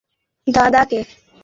ডাক তোর দাদাকে।